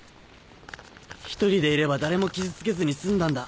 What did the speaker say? １人でいれば誰も傷つけずに済んだんだ。